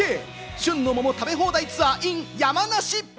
旬の桃食べ放題ツアーｉｎ山梨。